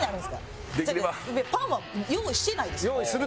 パンは用意してないです。